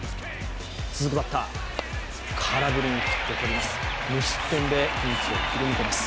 続くバッターを空振りに切って取ります。